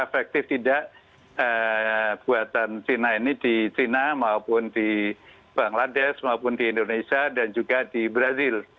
efektif tidak buatan china ini di china maupun di bangladesh maupun di indonesia dan juga di brazil